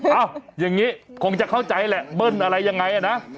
อย่างนี้คงจะเข้าใจแหละเบิ้ลอะไรยังไงนะ